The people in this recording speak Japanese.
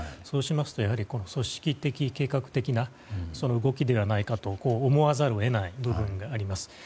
そうしますと、やはり組織的、計画的な動きではないかと思わざるを得ない部分です。